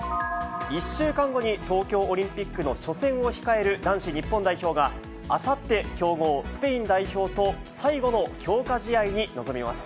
１週間後に東京オリンピックの初戦を控える男子日本代表が、あさって、強豪スペイン代表と、最後の強化試合に臨みます。